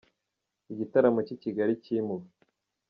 Igitaramo cy’i Kigali cyimuwe